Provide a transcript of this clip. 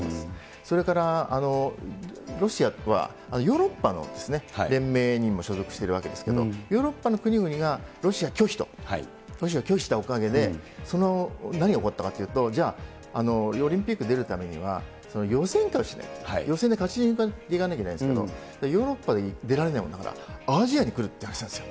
それからロシアはヨーロッパの連盟にも所属しているわけですけれども、ヨーロッパの国々がロシア拒否と、ロシアを拒否したおかげで何が起こったかというと、じゃあ、オリンピック出るためには予選会をしないといけない、予選で勝ち抜いていかないといけないんですけれども、ヨーロッパで出られないものだから、アジアに来るっていわれてるんですよ。